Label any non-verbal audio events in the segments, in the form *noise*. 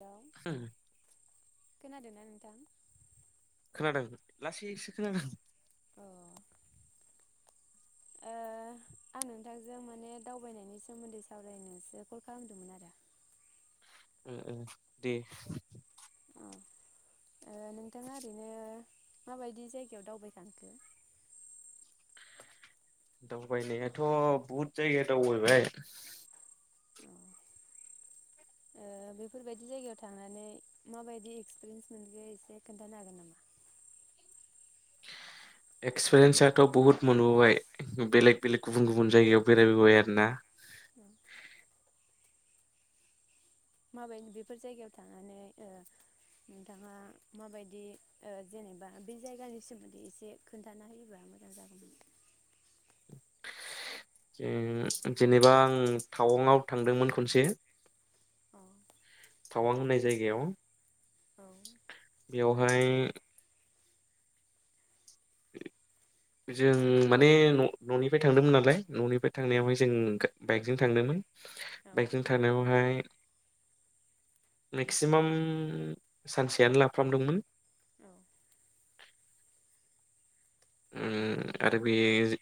Hello *unintelligible* खोनादोंना नोंथां खोनादों लासैसो खोनादों। अ ओ आं नोंथांजों माने दावबायनायनि सोमोन्दै सावरायनोसो कल खालामदोंमोन आरो ओ ओ दे अ ओ नोंथाङा ओरैनो माबायदि जायगायाव दावबायखांखो? दावबायनायाथ बहुद जायगा दावबायबाय ओ बेफोरबायदि जायगायाव थांनानै माबायदि एक्सपिरियेन्स मोनगोन एसे खोन्थानो हागोन नामा? एक्सपिरियेन्सआथ' बहुत मोनबोबाय बेलेग बेलेग गुबुन गुबुन जायगायाव बेरायबोबाय आरोना। माबाय बेफोर जायगायाव थांनानै ओ नोंथाङा माबायदि ओ‌ जेनेबा बे जायगानि सोमोन्दै एसे खोन्थाना होयोबा मोजां जागौमोन? जेन-जेनेबा आं टावाङाव थांदोंमोन खनसे। औ थावां होननाय जायगायाव अ औ बेयाव बाय जों माने न-ननिफ्राय थांदोंमोन नालाय ननिफ्राय थांनायावहाय जों बाइकजों थांदोंमोन। औ बाइकजों थांनायावहाय मेक्सिमाम सानसेयानो लाफ्रामदोंमोन। औ उम आरो बे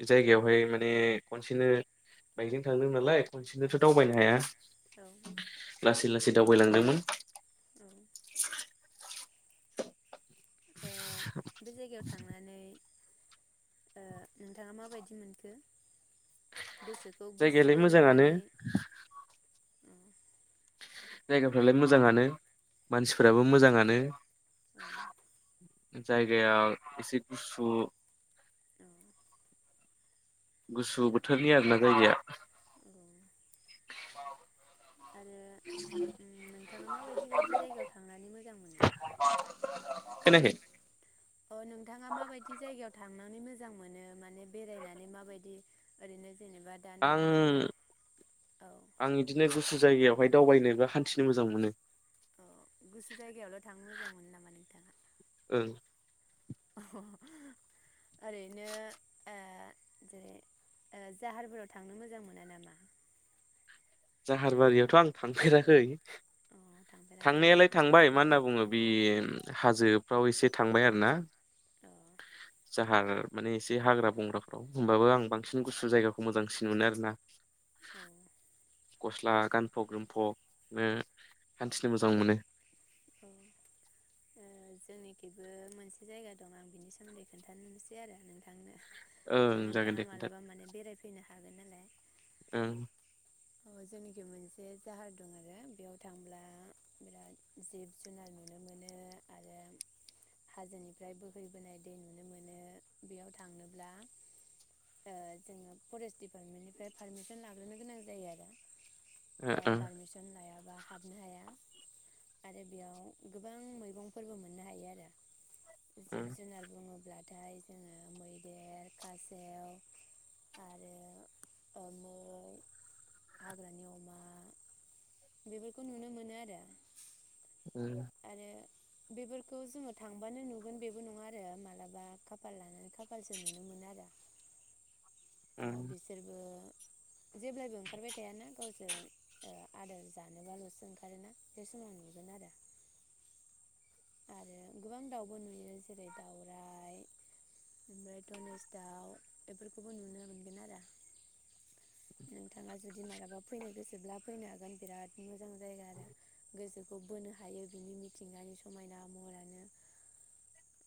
जायगायावहाय माने खनसेनो बाइकजों थांदों नालाय खनसेनोथ दावबायनो हाया। औ लासै ला सै दावबायलांदोंमोन। औ ओ बे जायगायाव थांनानै ओ नोंथाङा माबायदि मोनखो?? गोसोखौ गोसो जायगायालाय बोनो मोजाङानो। हानाय जायगाफ्रालाय मोजाङानो मानसिफोराबो मोजाङानो जायगाया एसे गुसु। औ गुसु बोथोरनि आरोना जायगाया। आरो नोंथाङा उम मा बायदि बायदि जायगायाव थांनानै मोजां मोनो? खोनायाखै अह नोंथाङा माबायदि जायगायाव थां नानै मोजां मोनो? माने बेरायनानै माबायदि ओरैनो जेनेबा दा नोंथाङा बुंदो आं औ आं इदिनो गुसु जायगायाव अहाय दावबायनो बा हान्थिनो मोजां मोनो। औ गुसु जायगायावल थांनो मोजां मोनो नामा नोंथाङा। ओं अह। ओरैनो ओ जेरै ओ जाहारफोराव थांनो मोजां मोना नामा? जाहारबारियावथ आं थांफेराखै। अ थांफेराखैना? थांनायालाय थांबाय अ मा होनना औ बुङो बे औ हाजोफ्राव एसे थांबाय आरो ना जाहार माने एसे हाग्रा बंग्राफ्राव होमबाबो आं बांसिन गुसु जायगाखौ मोजांसिन मोनो आरो ना। औ। गस्ला गानफब जोमफनो हान्थिनो मोजां मोनो। औ ओ जोंनिखैबो मोनसे जायगा दं आं बिनि सोमोन्दै खोन्थानोसै आरो नोंथांनो। ओं जागोन नोंथाङा दे खोन्था मालाबा माने बेरायफैनो ओं। ओ जोंनिखि मोनसे जाहार दं आरो बेयाव थांब्ला बिराद जिब जुनार नुनो मोनो आरो हाजोनिफ्राय बोहैबोनाय दै नुनो मोनो बेयाव थांनोब्ला ओ जोङो फरेस्ट दिपार्टमेन्टनिफ्राय पारमिसन लाग्रोनो गोनां जायो आरो। आ ओं ओं पारमिसन लायाबा हाबनो हाया। आरो बेयाव गोबां मैगंफोरबो मोननो हायो आरो। जिब जुनार बुङो ब्लाथाय जोङो मैदेर खासेव आरो ओ मै। हाग्रानि अमा बेफोरखौ नुनो मोनो आरो ओ। आरो बेफोरखौ जोङो थांबानो नुगोन बेबो नङा आरो मालाबा खाफाल लाना खाफालजों नुनो मोनो आरो। ओ ओं बिसोरबो जेब्लायबो ओंखारबाय थायाना गावसो आदार जानोबालसो ओंखारोना बे समाव नुगोन आरो आरो गोबां दाउबो नुयो जेरै दाउराइ ओमफ्राय धनेस दाउ बेफोरखौबो नुनो मोनगोन आरो। नोंथाङा जुदि मालाबा फैनो गोसोब्ला फैनो हागोन बिराद मोजां जाय गोसोखौ बोनो हायो बिनि मिथिंगानि समायना महरानो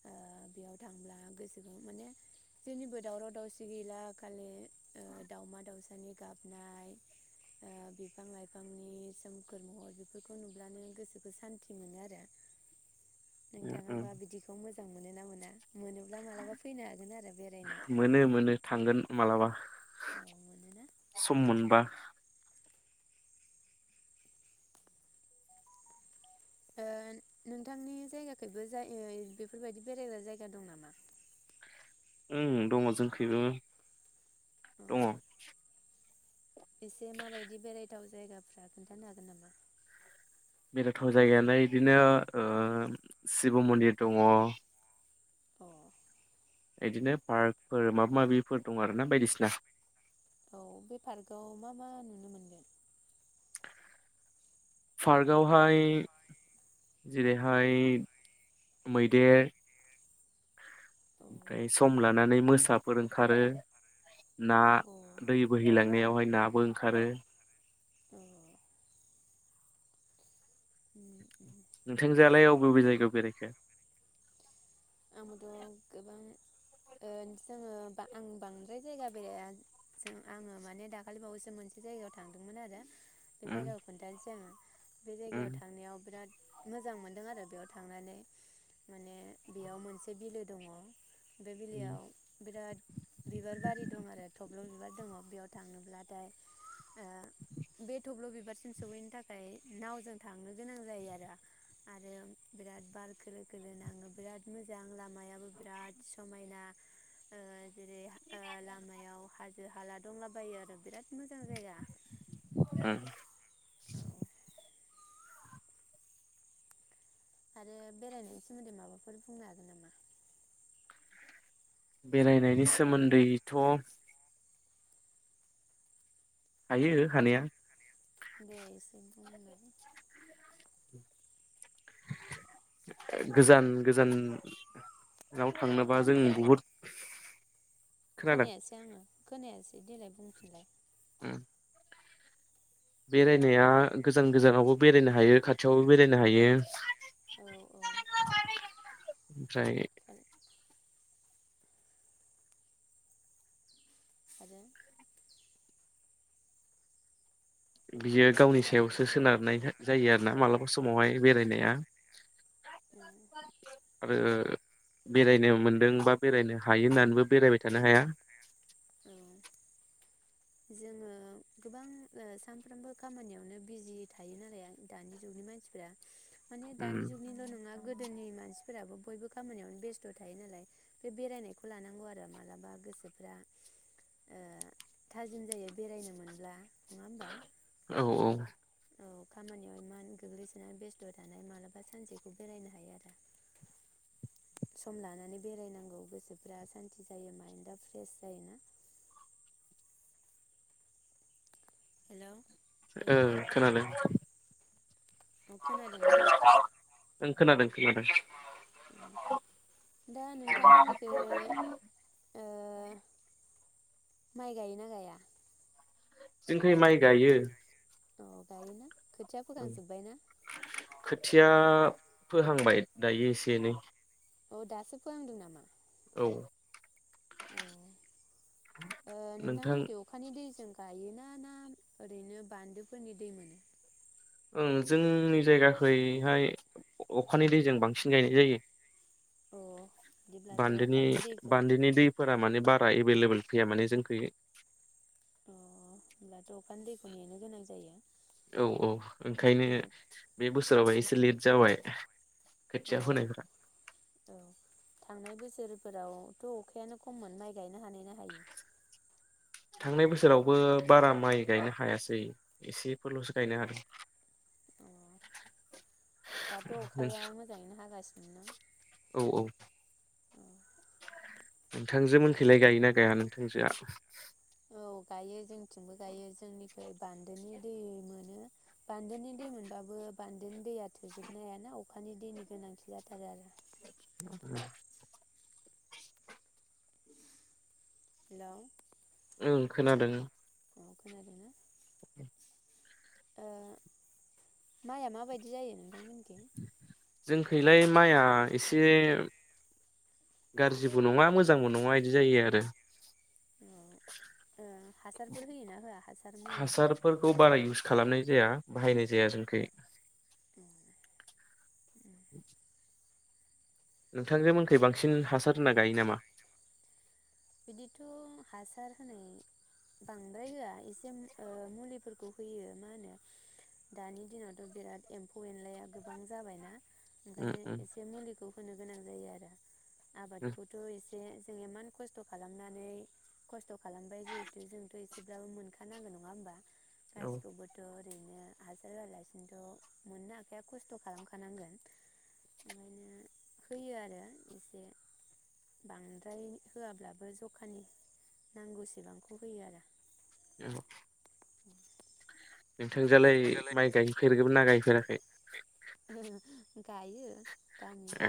ओ बेयाव थांब्ला गोसोखौ माने जेनिबो दावराव दावसि गैला खालि ओ दाउमा दाउस सानि गाबनाय ओ बिफां लाइफांनि सोमखोर महर बिफोरखौ नुब्लानो गोसोखौ सान्थि मोनो आरो। ओं ओं नोंथाङाबा बिदिखौ मोजां मोजां मोनोना मोना मोनोब्ला मालाब्ला फैनो हागोन आरो बेराइ मोनो मोनो थांगोन मालाबा औ मोनोना सम मोनबा। ओ नोंथांनि जायगाखैबो जाययै बेफोरबायदि बेरायग्रा जायगा दं नामा? उम दङ जोंखैबो अ दङ। एसे माबायदि बेरायथाव जायगाफ्रा खोन्थानो हागोन नामा? बेराथाव जायगायालाय इदिनो ओ शिब मन्दिर दङ। अ इदिनो पार्कफोर माबा माबिफोर दं आरो ना बायदिसिना। औ बे पार्कआव मा मा नुनो मोनगोन? पार्कआवहाय जेरैहाय मैदेर औ ओमफ्राय सम लानानै मोसाफोर ओंखारो। ना औ दै बोहैलांनायावहाय नाबो ओंखारो। अ उम नोंथांजोयालाय अबे अबे जायगायाव बेरायखो? आंबोथ' गोबां ओ जोङो आं बांद्राय जायगा बेराया जों आङो माने दाखालि बावैसो मोनसे जायगायाव थांदोंमोन आरो बे उम जायगाखौ खोन्थानोसै आङो बे जायगायाव उम थांनायाव बिराद मोजां मोनदों आरो बेयाव थांनानै माने बेयाव मोनसे बिलो दङ'। बे उम बिलोयाव बिराद बिबार बारि दं आरो थब्ल' बि बार दङ' बेयाव थांनोब्लाथाय आ बे थब्ल' बिबारसिम सहैनो थाखाय नावजों थांनो गोनां जायो आरो आरो बिराद बार खोलो खोलो नाङो बिराद मोजां लामायाबो बिराद समायना ओ जेरै ओ लामायाव हाजो हाला दंलाबायो आरो बिराद मोजां जायगा उम। औ आरो बेरायनायनि सोमोन्दै माबाफोर बुंनो हागोन नामा? बेरायनायनि सोमोन्दैथ' हायो हानाया। दे इसे गोजान गोजान आव थांनोबा जों बुहुद खोनादों खोनायासै आङो। खोनायासै देलाय बुंफिनलाय। उम बेरायनाया गोजान गोजानावबो बेरायनो हायो खाथियावबो बेरायनो हायो। औ औ ओमफ्राय आरो बियो गावनि सायावसो सोनारनाय जायो आरोना मालाबा समावहाय बेरायनाया औ आरो बेरायनो मोनदों बा बेरायनो हायो होननानैबो बेरायबाय थानो हाया। औ जोङो गोबां ओ सानफ्रोमबो खामानियावनो बिजि थायो ना जाया दानि जुगनि मानसिफ्रा? माने उम दानि जुगनिल नङा गो गोदोनि मानसिफोराबो बयबो खामानियावनो बेस्थ' थायो नालाय बे बेरायनायखौ लानांगौ आरो मालाबा गोसोफ्रा ओ थाजिम जायो बेरायनो मोनब्ला, नङा होमबा? औ औ औ खामानियाव इमान गोग्लैसोनानै बेस्थ' थानाय मालाबा सानसेखौ बेरायनो हायो आरो सम लानानै बेरायनांगौ गोसोफ्रा सान्ति जायो माइन्दा फ्रेस जायोना। हेलौ ओ आयौ दानो खोनादों। अ *unintelligible* खोनादोंना ओं खोनादों। खोनादों। दा नोंथांमोननिखै ओ माइ गायोना गाया? जोंखोय माइ गायो। औ गायो ना खो थिया फोखांजोबबायना? थिया फोहांबाय दायो एसे एनै। औ दासो फोहांदों नामा? औ अ ओ नोंथां नोंथांमोननिखै अखानि दैजों गायोना ना ओरैनो बान्दोफोरनि दै मोनो? ओं जोंनि जायगाखैहाय अखानि दैजों बांसिन गायनाय जायो। औ बान्दोनि बान्दोनि दैफोर बारा माने बारा एभेलेबेल फैया माने जों अ ओमब्लाथ' अखानि दैखौ नेनो गोनां जायो। औ औ ओंखायनो अ बे बोसोराव एसे लेत जाबाय। खोथिया अ फोनायफ्रा। बो सोरोरफोरावथ अखायानो खममोन माइ गायनो हानाय ना हायो थांनाय बोसोरावबो बारा माइ गायनो हायासै एसेफोरलसो गायनो हादों। अ दाथ' नों अखाया मोजाङैनो हागासिनो ना औ औ औ नोंथांजो मोनखैलाय गायोना गाया नोंथांजोआ औ गायो जों थिंबो गायो जोंनि दै बान्दोनि दै मोनो। बान्दोननि दै मोनबाबो बान्दोन दैया थोजोबनो हायाना अखानि दैनि गोनांथि जाथारो आरो। *inaudible* हेल' ओं खोनादों। अ खोनादोना? ओ माइआ माबायदि जायो नोंथांनि थिं जोंखैलाय माइआ एसे गाज्रिबो नङा मोजांबो नङा बिदि जायो आरो। औ ओ हासारफोर होयोना होआ हासार मुलि हासारफोरखौ बारा इउस खालामनाय जाया। बाहायनाय जाया जोंखै *inaudible* *inaudible* नोंथांजोमोनखै बांसिन हासार होना गायो नामा? बिदिथ' हासार होनाय बांद्राय होआ एसे ओ मुलिफोरखौ होयो मा होनो दानि दिनावथ' बिराद एम्फौ एनलाया गोबां जाबायना उम ओंखायनो उम एसे मुलिखौ होनो गोनां जायो आरो। उम आबादखौथ' एसे से जों इमान खस्थ' खालामनानै खस्थ' खालामबाय जिहेतु जोंथ' इसे ब्लाबो मोनखानांगोन नङा होमबा? औ गासिखौबोथ' ओरैनो हाजार होआलासिनोथ' मोननो हाखाया खस्थ' खालामखानांगोन ओंखायनो होयो आरो इसे बांद्राय होआब्लाब बो जखानि नांगौसेबांखौ होयो आरो। औ नोंथांजोआलाय माइ गाय फेरगोनना गायफेराखै *unintelligible* गायो।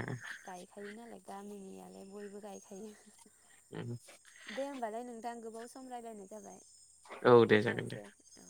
ए गायखायो नालाय गामिनियालाय बयबो गायखायो। उम दे होमबालाय नोंथां गो बाव सम रायलायनाय जाबाय औ दे जागोन दे दोनथ'नोसै औ